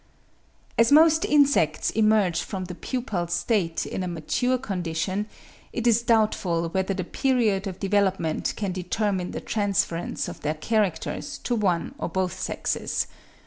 As most insects emerge from the pupal state in a mature condition, it is doubtful whether the period of development can determine the transference of their characters to one or to both sexes.